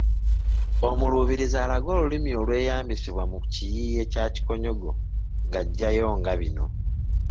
Omuluubirizi alage olulimi olweyambisibwa mu kiyiiye kya Kikonyogo nga aggyayo nga bino: